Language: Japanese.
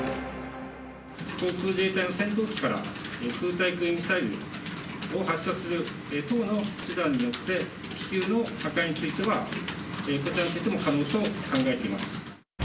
航空自衛隊の戦闘機から、空対空ミサイルを発射する等の手段によって、気球の破壊については、こちらについても可能と考えています。